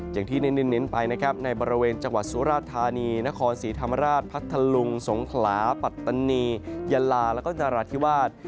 อย่างที่ได้เน้นไปนะครับในบริเวณจังหวัดสุราธานีนครศรีธรรมราชพัทธลุงสงขลาปัตตานียะลาแล้วก็นราธิวาส